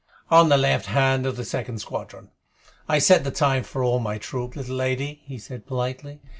"On the left hand of the second squadron. I set the time for all my troop, little lady," he said politely.